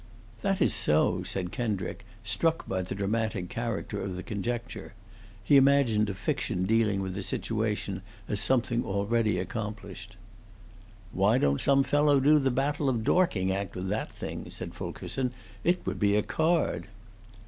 "That is so," said Kendrick, struck by the dramatic character of the conjecture. He imagined a fiction dealing with the situation as something already accomplished. "Why don't some fellow do the Battle of Dorking act with that thing?" said Fulkerson. "It would be a card."